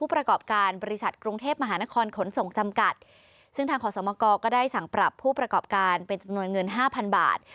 ประกอบการเป็นจำนวนเงิน๕๐๐๐บาท